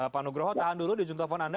pak nugroho tahan dulu di ujung telepon anda